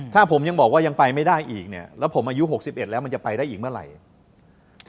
ถ้าผมยังบอกว่ายังไปไม่ได้อีกเนี่ยแล้วผมอายุ๖๑แล้วมันจะไปได้อีกเมื่อไหร่